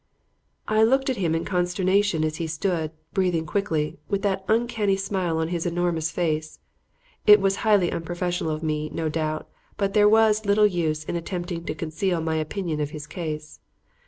I looked at him in consternation as he stood, breathing quickly, with that uncanny smile on his enormous face. It was highly unprofessional of me, no doubt, but there was little use in attempting to conceal my opinion of his case.